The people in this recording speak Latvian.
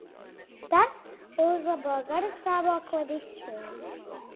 Tas uzlabo garastāvokli visiem.